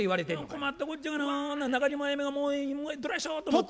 困ったこっちゃがな中島あやめがもうどないしよと思って。